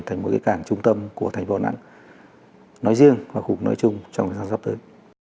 thành một cái cảng trung tâm của thành phố đà nẵng nói riêng và cũng nói chung trong thời gian sắp tới